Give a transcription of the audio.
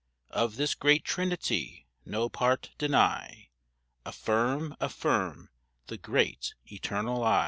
Of this great trinity no part deny. Affirm, affirm, the Great Eternal I.